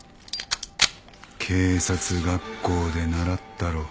警察学校で習ったろ。